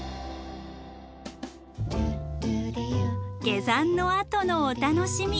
下山のあとのお楽しみ。